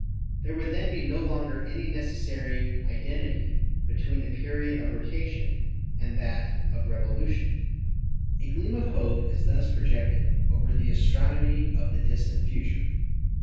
There would then be no longer any necessary identity between the period of rotation and that of revolu tion. A gleam of hope is thus projected over the astron omy of the distant future.